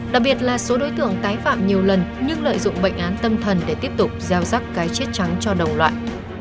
đặc biệt là số đối tượng tái phạm nhiều lần nhưng lợi dụng bệnh án tâm thần để tiếp tục gieo rắc cái chết trắng cho đồng loại